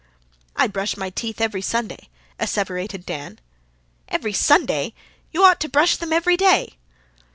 "I brush my teeth every Sunday," asseverated Dan. "Every Sunday! You ought to brush them every DAY."